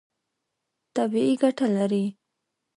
طبیعي ګټه لري.